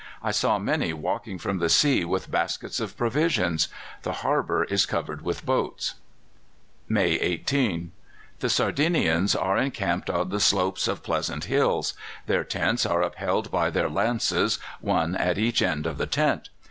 I saw many walking from the sea with baskets of provisions. The harbour is covered with boats. "May 18. The Sardinians are encamped on the slopes of pleasant hills. Their tents are upheld by their lances, one at each end of the tent.